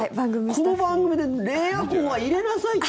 この番組でエアコンは入れなさいって。